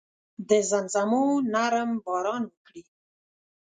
د زمزمو نرم باران وکړي